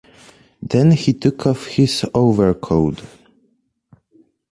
Then he took off his overcoat.